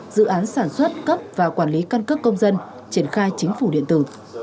dự án sản xuất cấp và quản lý căn cước công dân triển khai chính phủ điện tử